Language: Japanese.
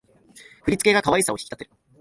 振り付けが可愛さを引き立てる